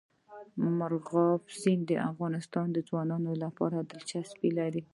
مورغاب سیند د افغان ځوانانو لپاره دلچسپي لري.